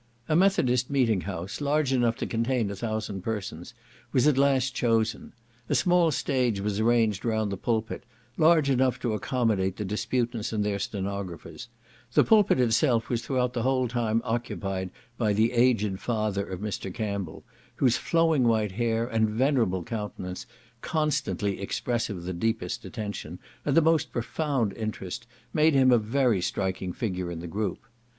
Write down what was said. A Methodist meeting house, large enough to contain a thousand persons, was at last chosen; a small stage was arranged round the pulpit, large enough to accommodate the disputants and their stenographers; the pulpit itself was throughout the whole time occupied by the aged father of Mr. Campbell, whose flowing white hair, and venerable countenance, constantly expressive of the deepest attention, and the most profound interest, made him a very striking figure in the group.